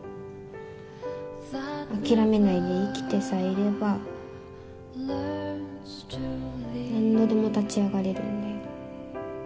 諦めないで生きてさえいれば何度でも立ち上がれるんだよ。